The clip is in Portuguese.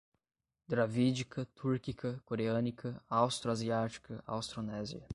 Dravídica, túrquica, coreânica, austro-asiática, austronésia